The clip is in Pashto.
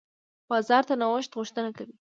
بازار د نوښت غوښتنه کوي.